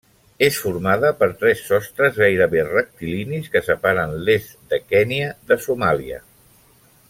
És formada per tres sostres gairebé rectilinis que separen l'est de Kenya de Somàlia.